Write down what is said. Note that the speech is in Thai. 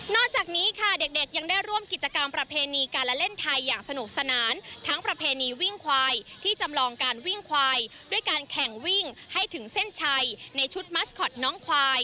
จากนี้ค่ะเด็กยังได้ร่วมกิจกรรมประเพณีการละเล่นไทยอย่างสนุกสนานทั้งประเพณีวิ่งควายที่จำลองการวิ่งควายด้วยการแข่งวิ่งให้ถึงเส้นชัยในชุดมัสคอตน้องควาย